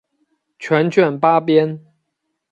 全卷八编。